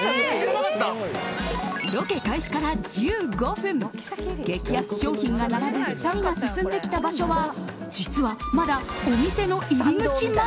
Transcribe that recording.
ロケ開始から１５分激安商品が並ぶ２人が進んできた場所は実は、まだお店の入り口前。